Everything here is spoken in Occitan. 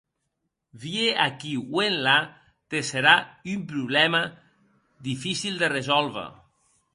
Vier aquiu o enlà te serà un problèma dificil de resòlver.